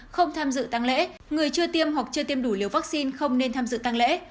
không tham dự tăng lễ người chưa tiêm hoặc chưa tiêm đủ liều vaccine không nên tham dự tăng lễ